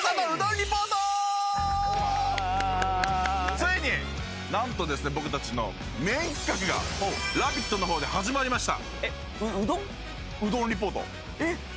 ついに僕たちのメイン企画が「ラヴィット！」の方で始まりました。